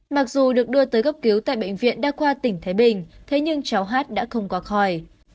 mặc dù được đưa tới góc cứu tại bệnh viện đa khoa tỉnh thái bình thế nhưng cháu hát đã không qua khỏi